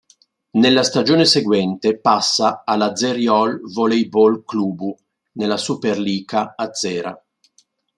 Nella stagione seguente passa all'Azəryol Voleybol Klubu, nella Superliqa azera.